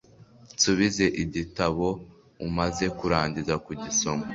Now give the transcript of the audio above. nsubize igitabo umaze kurangiza kugisoma